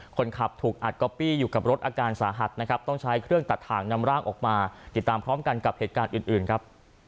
คนขับถูกอัดก๊อปปี้อยู่กับรถอาการสาหัสนะครับต้องใช้เครื่องตัดถ่างนำร่างออกมาติดตามพร้อมกันกับเหตุการณ์อื่นครับ